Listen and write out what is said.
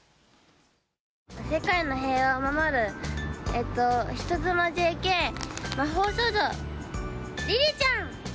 世界の平和を守る、えっと、人妻ＪＫ魔法少女りりちゃん。